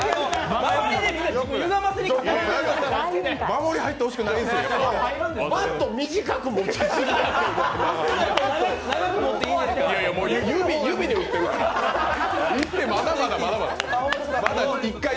守りに入ってほしくないんですよ、今日。